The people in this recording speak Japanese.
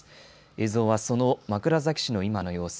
映像はその枕崎市の今の様子。